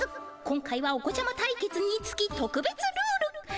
今回はお子ちゃま対決につきとくべつルール。